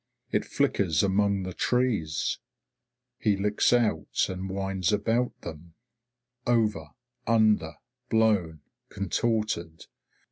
It flickers among the trees. He licks out and winds about them. Over, under, blown, contorted.